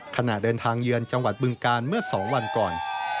ขณะเดินทางเยือนจังหวัดบึงการเมื่อ๒วันก่อน